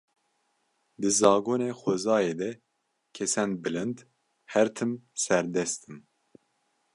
Di zagonê xwezayê de kesên bilind her tim serdest in.